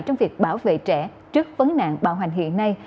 trong việc bảo vệ trẻ trước vấn nạn bạo hành hiện nay